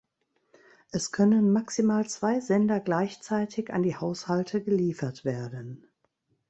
Es können maximal zwei Sender gleichzeitig an die Haushalte geliefert werden.